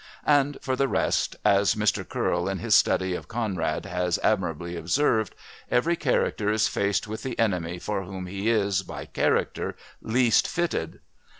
And, for the rest, as Mr Curle in his study of Conrad has admirably observed, every character is faced with the enemy for whom he is, by character, least fitted.